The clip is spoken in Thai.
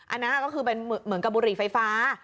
อันนั้นก็คือเป็นเหมือนกับบุหรี่ไฟฟ้า